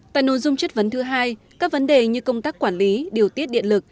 tại nội dung chất vấn thứ hai các vấn đề như công tác quản lý điều tiết điện lực